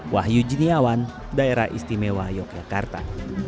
wahyu juniawan daerah istimewa yogyakarta